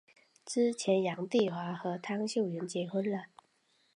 之后杨棣华和汤秀云结婚了。